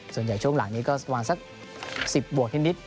ส่วนใหญ่ช่วงหลังนี้ก็วางสัก๑๐บวกที่นิด